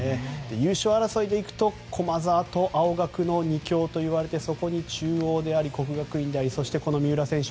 優勝争いでいくと駒澤と青学の２強といわれていてそこに中央であり國學院であり三浦選手